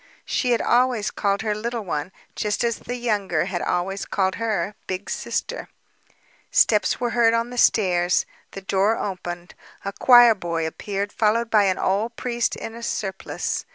She had always called her, "Little One," just as the younger had always called her "Big Sister." Steps were heard on the stairs. The door opened. A choir boy appeared, followed by an old priest in a surplice.